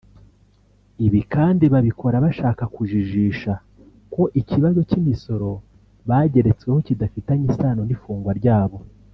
Ibi kandi babikora bashaka kujijisha ko ikibazo cy’imisoro bageretsweho kidafitanye isano n’ifungwa ryabo